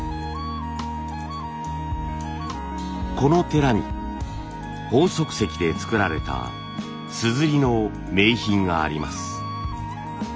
この寺に鳳足石で作られた硯の名品があります。